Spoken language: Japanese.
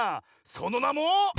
そのなも。